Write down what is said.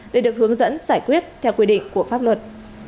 để được hướng dẫn giải quyết theo quy định của quảng thị trình